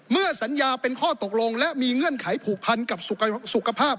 เมื่อสัญญาเป็นข้อตกลงและมีเงื่อนไขผูกพันกับสุขภาพ